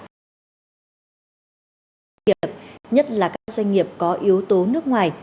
và các doanh nghiệp nhất là các doanh nghiệp có yếu tố nước ngoài